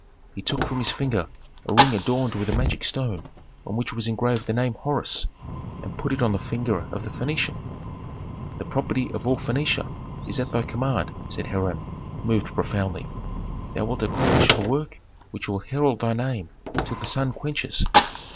He took from his finger a ring adorned with a magic stone on which was engraved the name Horus, and put it on the finger of the Phœnician. "The property of all Phœnicia is at thy command," said Hiram, moved profoundly. "Thou wilt accomplish a work which will herald thy name till the sun quenches."